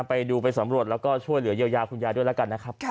ไปดูไปสำรวจแล้วก็ช่วยเหลือเยียวยาคุณยายด้วยแล้วกันนะครับ